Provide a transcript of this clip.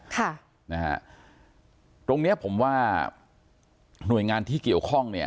ค่ะนะฮะตรงเนี้ยผมว่าหน่วยงานที่เกี่ยวข้องเนี่ย